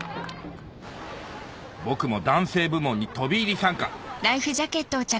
僕も男性部門に飛び入り参加